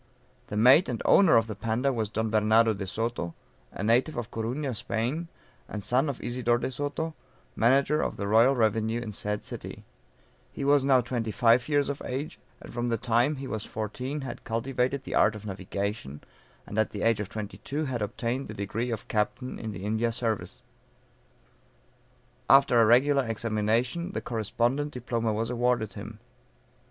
The mate and owner of the Panda was Don Bernardo De Soto, a native of Corunna, Spain, and son, of Isidore De Soto, manager of the royal revenue in said city; he was now twenty five years of age, and from the time he was fourteen had cultivated the art of navigation, and at the age of twenty two had obtained the degree of captain in the India service. After a regular examination the correspondent diploma was awarded him.